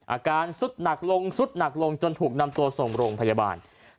อาการสุดหนักลงสุดหนักลงจนถูกนำตัวส่งโรงพยาบาล